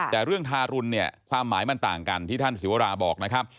แต่เรื่องทารุณเนี่ยความหมายมันต่างกันที่ท่านศิวราบอกนะครับ